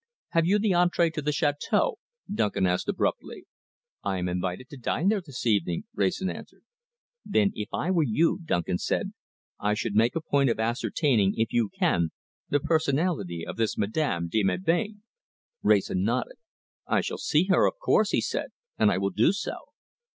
"Have you the entrée to the chateâu?" Duncan asked abruptly. "I am invited to dine there this evening," Wrayson answered. "Then, if I were you," Duncan said, "I should make a point of ascertaining, if you can, the personality of this Madame de Melbain." Wrayson nodded. "I shall see her, of course," he said, "and I will do so."